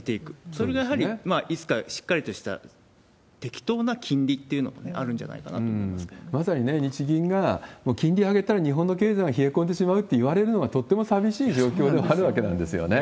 それがやはり、いつかしっかりとした、適当な金利っていうのもね、まさに日銀が、金利上げたら日本の経済が冷え込んでしまうっていわれてしまうのがとっても寂しい状況でもあるわけなんですよね。